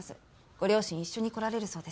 ご両親一緒に来られるそうです。